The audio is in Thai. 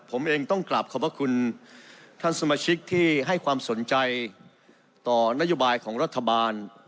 ผมเองต้องกลับขอบพระคุณท่านสมาชิกที่ให้ความสนใจต่อนโยบายของรัฐบาล